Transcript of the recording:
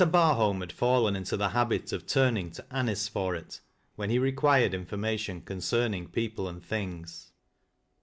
Bakholm had fallen into the habit of turning to Anice for it, when he required information concerning people and things.